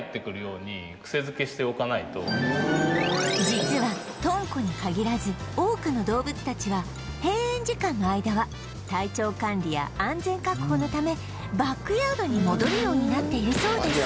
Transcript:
実はとんこに限らず多くの動物たちは閉園時間の間は体調管理や安全確保のためバックヤードに戻るようになっているそうです